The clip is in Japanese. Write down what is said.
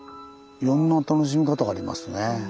いろんな楽しみ方がありますね。